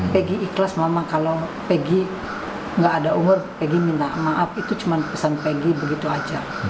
peggy ikhlas mama kalau peggy tidak ada umur peggy minta maaf itu cuma pesan peggy begitu saja